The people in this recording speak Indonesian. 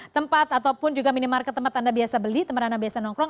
tempat ataupun juga minimarket tempat anda biasa beli tempat anda biasa nongkrong